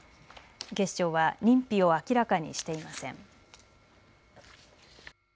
警視庁は認否を明らかにしていません。